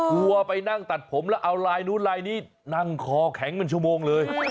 วัวไปนั่งตัดผมแล้วเอาลายนู้นลายนี้นั่งคอแข็งเป็นชั่วโมงเลย